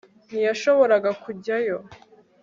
ntiyashobora kujyayo